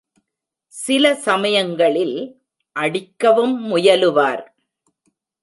சில சமயங்களில் அடிக்கவும் முயலுவார்.